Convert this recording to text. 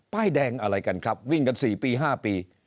ป้ายแดงอะไรกันครับวิ่งกัน๔ปี๕ปี